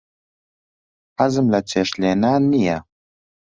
حەزم لە چێشت لێنان نییە.